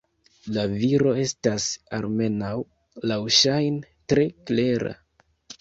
La viro estas, almenaŭ laŭŝajne, tre klera.